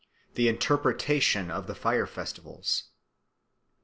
The Interpretation of the Fire Festivals 1.